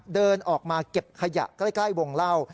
เดินออกมาเก็บขยะใกล้วงเล่า